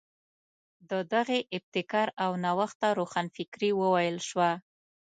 د دغې ابتکار او نوښت ته روښانفکري وویل شوه.